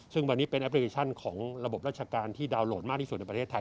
ซึ่งวันนี้เป็นแอปพลิเคชันของระบบราชการที่ดาวนโหลดมากที่สุดในประเทศไทย